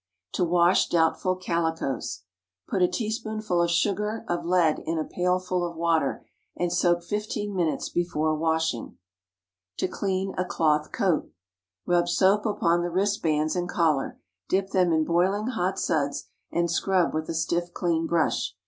TO WASH DOUBTFUL CALICOES. Put a teaspoonful of sugar of lead into a pailful of water, and soak fifteen minutes before washing. TO CLEAN A CLOTH COAT. Rub soap upon the wristbands and collar; dip them in boiling hot suds—and scrub with a stiff clean brush.